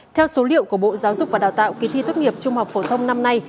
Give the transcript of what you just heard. theo số liệu của bộ giáo dục và đào tạo kỳ thi tốt nghiệp trung học phổ thông năm nay